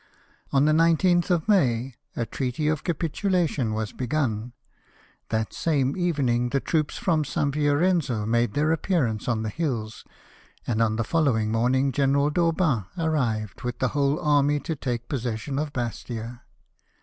On the 19th of May a treaty of capitulation was begun, that same evening the troops from St. Fiorenzo made their appearance on the hills, and on the following morning General d'Aubant arrived with the whole army to take possession of Bastia.